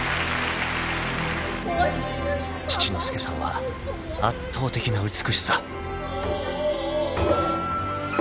［七之助さんは圧倒的な美しさ］